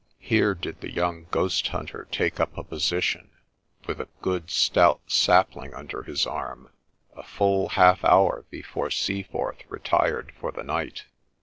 Here did the young ghost hunter take up a position, with a good stout sapling under his arm, a full half hour before Seaforth retired for the night.